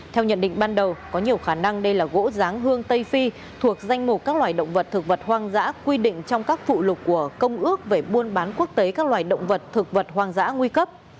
theo nhận định ban đầu có nhiều khả năng đây là gỗ giáng hương tây phi thuộc danh mục các loài động vật thực vật hoang dã quy định trong các phụ lục của công ước về buôn bán quốc tế các loài động vật thực vật hoang dã nguy cấp